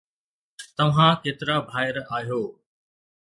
توهان ڪيترا ڀائر آهيو